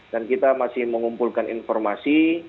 dan kita masih mengumpulkan informasi